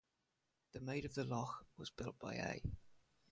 "Maid of the Loch" was built by A.